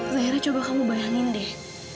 akhirnya coba kamu bayangin deh